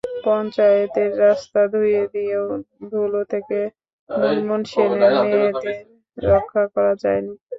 পঞ্চায়েতের রাস্তা ধুয়ে দিয়েও ধুলা থেকে মুনমুন সেনের মেয়েদের রক্ষা করা যায়নি।